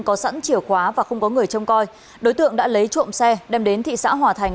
có sẵn chìa khóa và không có người trông coi đối tượng đã lấy trộm xe đem đến thị xã hòa thành